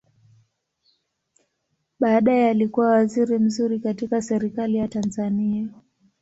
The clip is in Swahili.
Baadaye alikua waziri mzuri katika Serikali ya Tanzania.